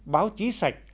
báo chí sạch